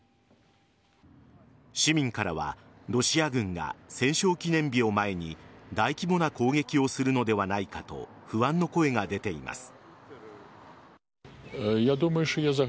市民からは、ロシア軍が戦勝記念日を前に大規模な攻撃をするのではないかと不安の声が出ています。